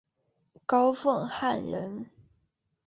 高凤翰人。